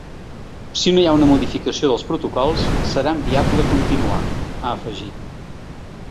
“Si no hi ha una modificació dels protocols, serà inviable continuar”, ha afegit.